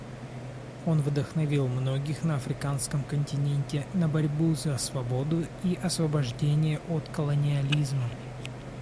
Он вдохновил многих на Африканском континенте на борьбу за свободу и освобождение от колониализма.